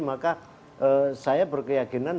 maka saya berkeyakinan